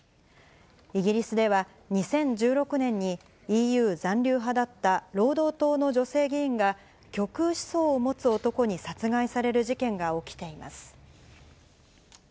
イギリスでは、２０１６年にＥＵ残留派だった労働党の女性議員が、極右思想を持つ男に殺害される事件が起きています。